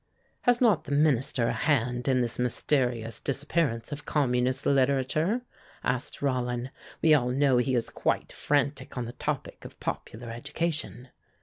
"Has not the Minister a hand in this mysterious disappearance of Communist literature?" asked Rollin. "We all know he is quite frantic on the topic of popular education."